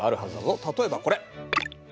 例えばこれ！